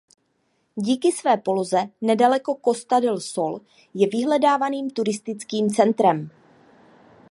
Díky své poloze nedaleko Costa del Sol je vyhledávaným turistickým centrem.